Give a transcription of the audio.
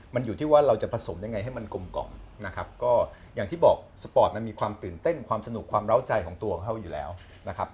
มันอยู่ที่ว่าเราจะผสมยังไงให้มันกลมกล่อมนะครับก็อย่างที่บอกสปอร์ตมันมีความตื่นเต้นความสนุกความเล้าใจของตัวของเขาอยู่แล้วนะครับ